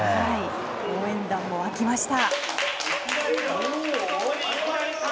応援団も沸きました。